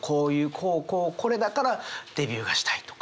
こうこうこれだからデビューがしたいとか。